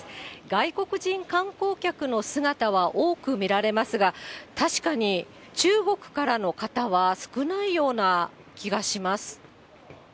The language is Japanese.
外国人観光客の姿は多く見られますが、確かに、中国からの方は少ないような気がします。